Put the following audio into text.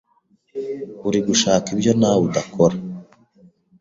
Uri gushaka ibyo nawe udakora